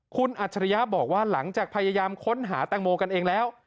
คุณอัจฉริยะบอกว่าหลังจากพยายามค้นหาแตงโมกันเองแล้ว